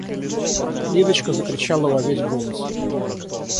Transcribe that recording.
Лидочка закричала во весь голос.